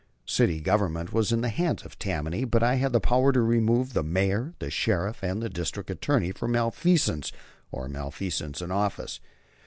The city government was in the hands of Tammany; but I had power to remove the Mayor, the Sheriff, and the District Attorney for malfeasance or misfeasance in office.